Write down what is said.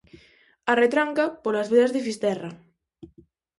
A retranca, polas veas de Fisterra.